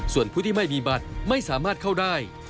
ส่วนผู้ที่ไม่มีบัตรไม่สามารถเข้าได้